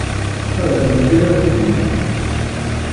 Ad ten-tciriɣ s yigenni.